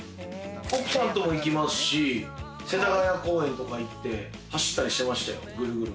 奥さんとも行きますし、世田谷公園とかいって、走ったりしてましたよ。